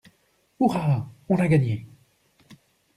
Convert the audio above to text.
Hourra! On a gagné!